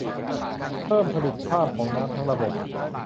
เพิ่มผลิตภาพของน้ำ ทั้งระบบ